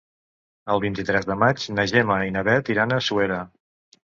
El vint-i-tres de maig na Gemma i na Bet iran a Suera.